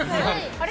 あれ？